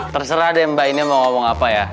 terserah deh mbak ini mau ngomong apa ya